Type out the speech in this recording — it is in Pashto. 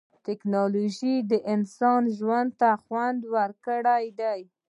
ټکنالوجي د انسان ژوند خوندي کړی دی.